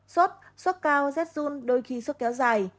sốt sốt cao rét dung đôi khi sốt kéo dài